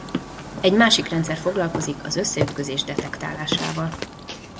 Egy másik rendszer foglalkozik az összeütközés detektálásával.